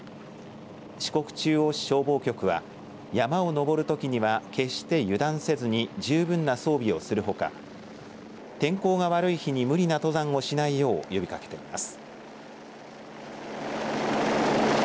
四国中央市消防局は山を登るときには決して油断せずに十分な装備をするほか天候が悪い日に無理な登山をしないよう呼びかけています。